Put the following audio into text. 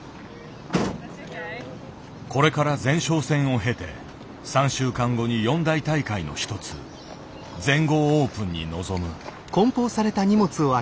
これから前哨戦を経て３週間後に四大大会の一つ全豪オープンに臨む。